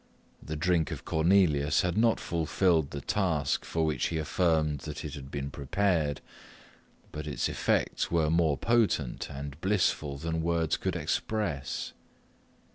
The drink of Cornelius had not fulfilled the task for which he affirmed that it had been prepared, but its effects were more potent and blissful than words can express.